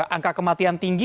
angka kematian tinggi